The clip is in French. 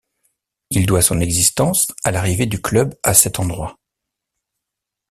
Il doit son existence à l'arrivée du club à cet endroit.